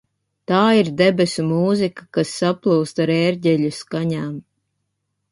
Tā ir debesu mūzika, kas saplūst ar ērģeļu skaņām.